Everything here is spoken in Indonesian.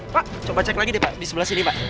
makasih banyak amsterdam nih mas